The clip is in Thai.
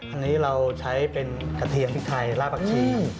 อันนี้เราใช้เป็นกระเทียมพริกไทยลาบผักชี